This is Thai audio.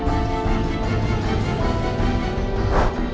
โอ้โหเมื่อไหร่